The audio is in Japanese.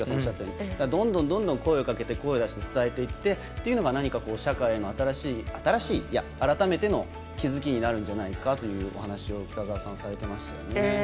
どんどん声出して伝えていってというのが社会への改めての気付きになるんじゃないかというお話を北澤さん、されてましたね。